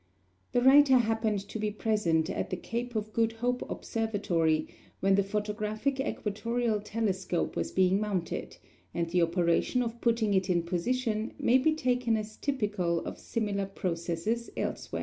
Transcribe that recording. The writer happened to be present at the Cape of Good Hope Observatory when the photographic equatorial telescope was being mounted, and the operation of putting it in position may be taken as typical of similar processes elsewhere.